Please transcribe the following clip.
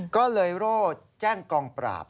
ก็เลยโรดแจ้งกองปราบ